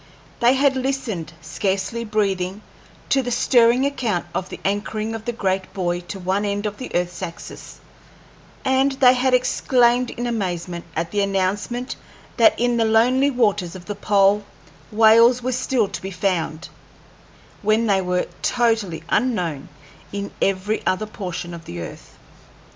They had listened, scarcely breathing, to the stirring account of the anchoring of the great buoy to one end of the earth's axis, and they had exclaimed in amazement at the announcement that in the lonely waters of the pole whales were still to be found, when they were totally unknown in every other portion of the earth.